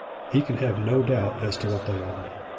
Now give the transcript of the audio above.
He can have no doubt as to what they are.